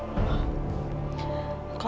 saya juga makan kok